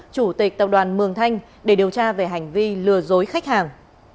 chủ tịch tập đoàn mường thanh để điều tra về hành vi lừa dối khách hàng